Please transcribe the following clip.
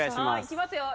いきますよ！